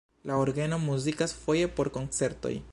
La orgeno muzikas foje por koncertoj.